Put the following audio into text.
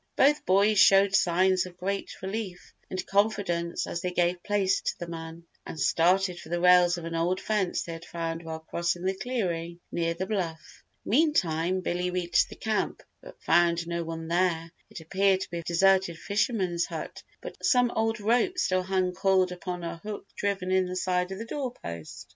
Both boys showed signs of great relief and confidence as they gave place to the man, and started for the rails of an old fence they had found while crossing the clearing near the bluff. Meantime, Billy reached the camp but found no one there. It appeared to be a deserted fisherman's hut but some old rope still hung coiled upon a hook driven in the side of the door post.